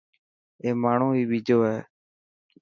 اي ماڻهو هي ٻيجو هي.